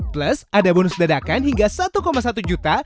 plus ada bonus dadakan hingga satu satu juta